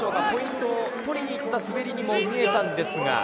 ポイントを取りに行った滑りにも見えたんですが。